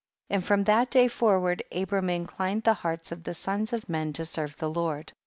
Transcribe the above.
43. And from that day forward Abram inclined the hearts of the sons of men to serve the Lord.